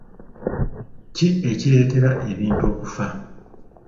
Ki ekireetera ebintu okufa